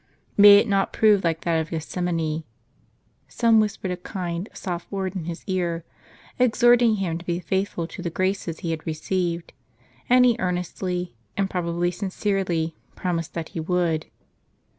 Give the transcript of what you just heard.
May it not prove like that of Geth semani ! Some whispered a kind, soft word in his ear, exhorting him to be faithful to the graces he had received ; and he earnestly, and probably sincerely, promised that he would.